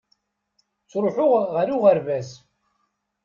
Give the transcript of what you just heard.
Ttruḥuɣ ɣer uɣerbaz.